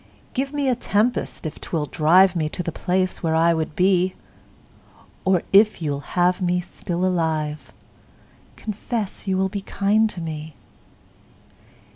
Give me a tempest if 'twill drive Me to the place where I would be; Or if you'll have me still alive, Confess you will be kind to me.